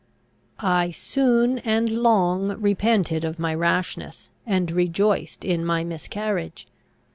"I soon, and long, repented of my rashness, and rejoiced in my miscarriage.